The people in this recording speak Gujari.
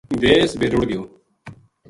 دیس بے رُڑھ گیو